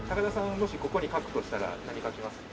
もしここに描くとしたら何描きます？